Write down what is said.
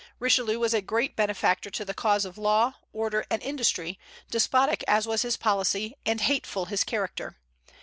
Richelieu was a great benefactor to the cause of law, order, and industry, despotic as was his policy and hateful his character.